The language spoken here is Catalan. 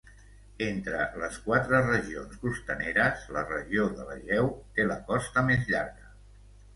Entre les quatre regions costaneres, la regió de l'Egeu té la costa més llarga.